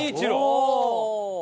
おお！